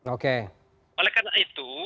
oleh karena itu